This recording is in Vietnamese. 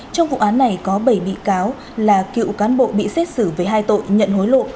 trong vụ án này có bảy bị cáo là cựu cán bộ bị xét xử với hai tội nhận hối lộ